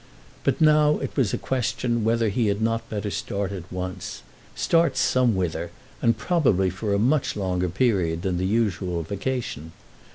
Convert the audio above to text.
But now it was a question whether he had not better start at once, start somewhither, and probably for a much longer period than the usual vacation.